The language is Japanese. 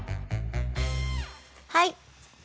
はい。